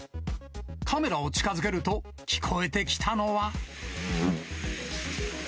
カメラを近づけると、聞こえてきたのは。